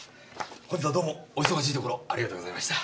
本日はどうもお忙しいところありがとうございました。